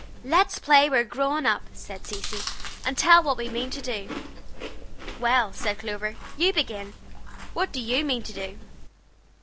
"Let's play we're grown up," said Cecy, "and tell what we mean to do." "Well," said Clover, "you begin. What do you mean to do?"